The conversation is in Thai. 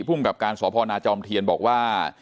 ภูมิกับการสพนาจอมเทียนบอกว่า